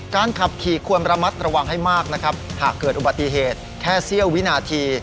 ขับขี่ควรระมัดระวังให้มากนะครับหากเกิดอุบัติเหตุแค่เสี้ยววินาที